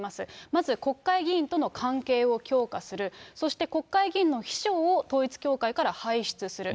まず、国会議員との関係を強化する、そして国会議員の秘書を統一教会から輩出する。